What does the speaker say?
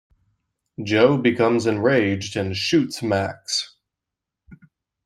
Joe becomes enraged and shoots Max.